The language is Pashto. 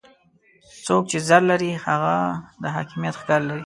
څوک چې زر لري هغه د حاکميت ښکر لري.